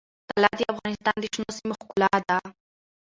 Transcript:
طلا د افغانستان د شنو سیمو ښکلا ده.